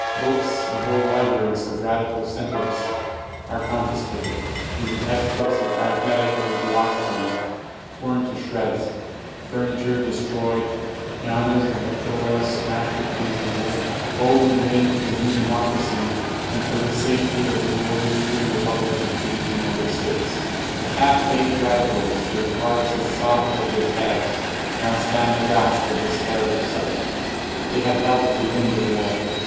Books and whole libraries of "radical cen ters" are confiscated, even text books of arithmetic or geography torn to shreds, furniture destroyed, pianos and victrolas smashed to kindling wood — all in the name of the new Democracy and for the safety of the glorious, free Republic of these United States. The half baked radicals, their hearts as soft as their heads, now stand aghast at this terrible sight. They had helped to win the war.